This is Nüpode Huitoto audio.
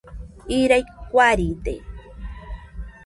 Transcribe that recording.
Irai kuaride.